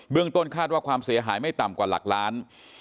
ต้นคาดว่าความเสียหายไม่ต่ำกว่าหลักล้าน